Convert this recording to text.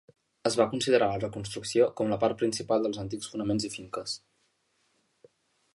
Es va considerar la reconstrucció com la part principal dels antics fonaments i finques.